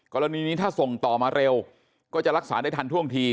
กรณีนี้ถ้าส่งต่อมาเร็วก็จะรักษาได้ทันท่วงที